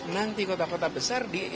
nanti kota kota besar di